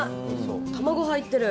卵入ってる！